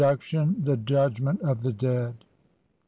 THE JUDGMENT OF THE DEAD.